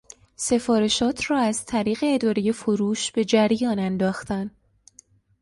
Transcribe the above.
سفارشات را از طریق ادارهی فروش به جریان انداختن